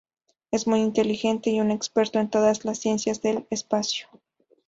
Es muy inteligente y un experto en todas las ciencias del espacio.